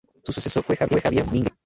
Su sucesor fue Javier Mínguez.